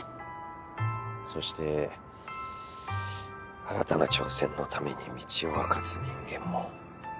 そして新たな挑戦のために道を分かつ人間も。